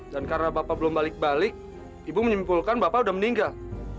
karena bapak belum balik balik ibu menyimpulkan bapak sudah meninggal